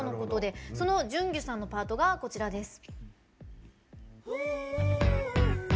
そのジュンギュさんのパートがこちらです。